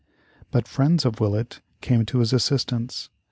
But friends of Willett came to his assistance.